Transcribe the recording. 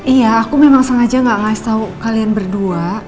iya aku memang sengaja gak ngasih tau kalian berdua